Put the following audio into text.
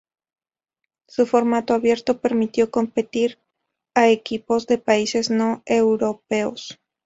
Su formato abierto permitió competir a equipos de países no-europeos.